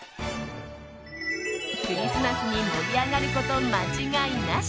クリスマスに盛り上がること間違いなし！